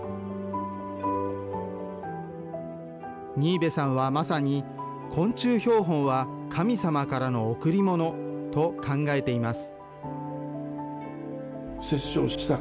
新部さんはまさに、昆虫標本は神様からの贈り物と考えています。